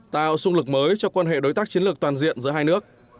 tạo xung lực mới cho quan hệ đối tác chiến lược toàn diện giữa hai nước